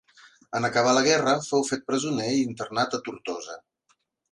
En acabar la guerra fou fet presoner i internat a Tortosa.